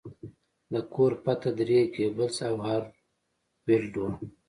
د کور پته درې ګیبلز او هارو ویلډ وه